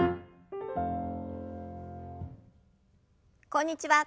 こんにちは